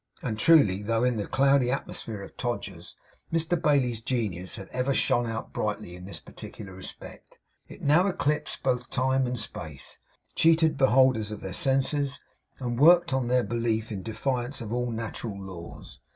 And truly, though in the cloudy atmosphere of Todgers's, Mr Bailey's genius had ever shone out brightly in this particular respect, it now eclipsed both time and space, cheated beholders of their senses, and worked on their belief in defiance of all natural laws.